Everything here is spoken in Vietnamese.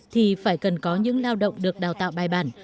thì phải cần có những lao động được đào tạo bài bản